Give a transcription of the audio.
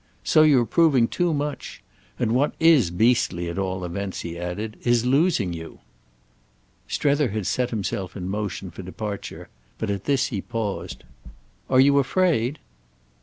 So you're proving too much. And what is beastly, at all events," he added, "is losing you." Strether had set himself in motion for departure, but at this he paused. "Are you afraid?"